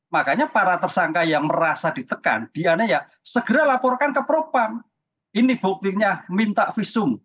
makanya para tersangka yang merasa ditekan dianeya segera laporkan ke propam ini buktinya minta visum